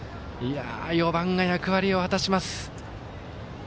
４番が役割を果たします。